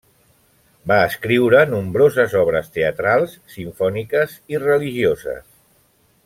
Va escriure nombroses obres teatrals, simfòniques i religioses.